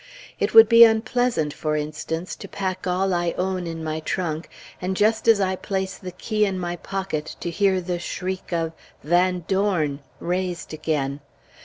It would be unpleasant, for instance, to pack all I own in my trunk, and just as I place the key in my pocket to hear the shriek of "Van Dorn!" raised again.